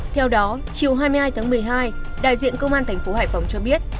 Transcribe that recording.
theo đó chiều hai mươi hai tháng một mươi hai đại diện công an tp hải phòng cho biết